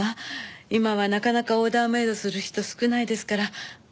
今はなかなかオーダーメイドする人少ないですから。